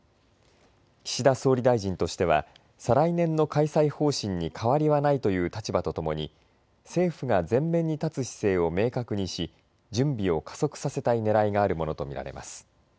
岸田総理大臣としては再来年の開催方針に変わりはないという立場とともに政府が前面に立つ姿勢を明確にし準備を加速させたいねらいがあるものと見られます。